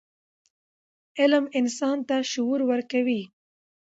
علم انسان ته شعور ورکوي.